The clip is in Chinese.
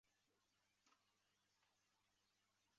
属名是以化石发现地的埃布拉赫市为名。